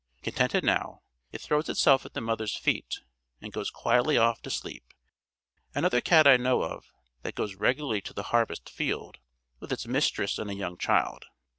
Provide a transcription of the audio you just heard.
Contented now, it throws itself at the mother's feet, and goes quietly off to sleep. Another cat I know of, that goes regularly to the harvest field, with its mistress and a young child.